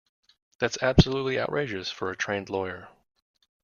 That's absolutely outrageous for a trained lawyer.